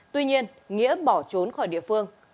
tuy nhiên nghĩa bỏ trốn khỏi địa phương